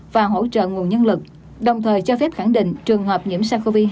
và hỗ trợ nguồn nhân lực đồng thời cho phép khẳng định trường hợp nhiễm sars cov hai